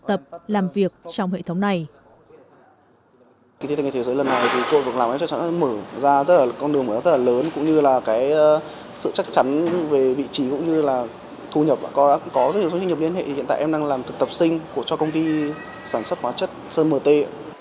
trực tiếp học tập làm việc trong hệ thống này